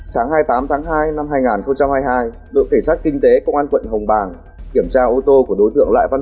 sáng hai mươi tám tháng hai năm hai nghìn hai mươi hai bộ kỳ sát kinh tế công an quận hồng bàng kiểm tra ô tô của đối tượng covid một mươi chín